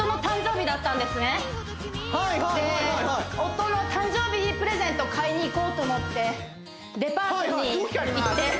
私夫の誕生日プレゼント買いに行こうと思って動き変わります